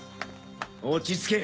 落ち着け